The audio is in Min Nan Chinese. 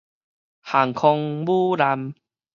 航空母艦